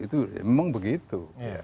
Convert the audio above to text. itu memang begitu